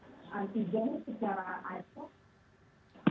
antigen secara acak